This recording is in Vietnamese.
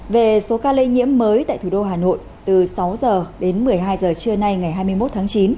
về số ca lây nhiễm mới tại thủ đô hà nội từ sáu h đến một mươi hai h trưa nay ngày hai mươi một tháng chín